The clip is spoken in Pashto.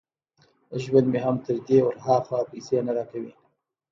ژوند مې هم تر دې ور ها خوا پیسې نه را کوي